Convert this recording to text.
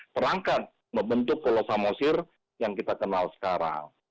terangkat membentuk pulau samosir yang kita kenal sekarang